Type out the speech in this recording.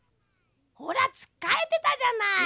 ほらつっかえてたじゃない！